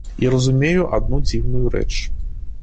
І разумею адну дзіўную рэч.